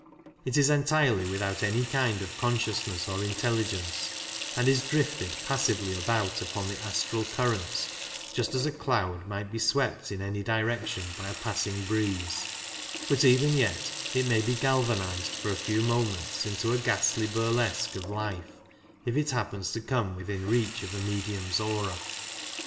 It is entirely without any kind of consciousness or intelligence, and is drifted passively about upon the astral currents just as a cloud might be swept in any direction by a passing breeze ; but even yet it may be galvanized for a few moments into a ghastly burlesque of life if it happens to come within reach of a medium's aura.